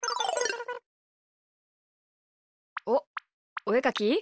おっおえかき？